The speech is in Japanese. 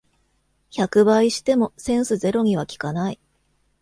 百倍してもセンスゼロには効かない